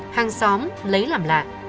hàng xóm lấy làm lạ